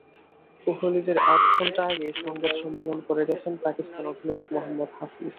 কোহলিদের আধঘণ্টা আগেই সংবাদ সম্মেলন করে গেছেন পাকিস্তান অধিনায়ক মোহাম্মদ হাফিজ।